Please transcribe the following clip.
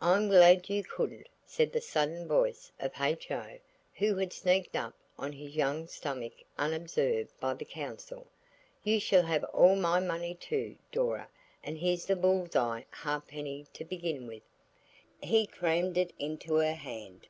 "I'm glad you couldn't," said the sudden voice of H.O who had sneaked up on his young stomach unobserved by the council. "You shall have all my money too, Dora, and here's the bulls eye halfpenny to begin with." He crammed it into her hand.